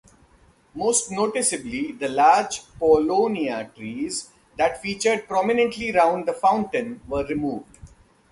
Most noticeably the large paulownia trees that featured prominently round the fountain were removed.